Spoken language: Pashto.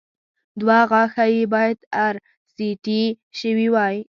دوه غاښه يې باید ار سي ټي شوي وای